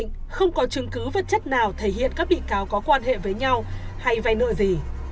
đã chẳng định không có chứng cứ vật chất nào thể hiện các bị cáo có quan hệ với nhau hay vay nợ gì